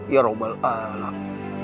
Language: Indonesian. ya rabbal alam